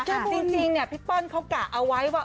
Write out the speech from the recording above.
คือจริงเนี่ยพี่เปิ้ลเขากะเอาไว้ว่า